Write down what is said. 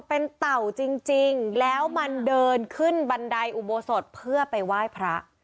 เป็นเต่าจริงแล้วมันเดินขึ้นบันไดอุโบสถเพื่อไปไหว้พระ